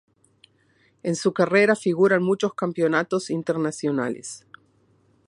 En su carrera figuran muchos campeonatos internacionales.